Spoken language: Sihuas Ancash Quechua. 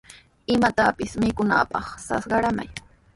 Imatapis mikunaapaq sas qaramay.